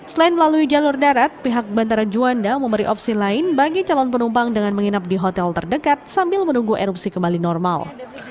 selain melalui jalur darat pihak bandara juanda memberi opsi lain bagi calon penumpang dengan menginap di hotel terdekat sambil menunggu erupsi kembali normal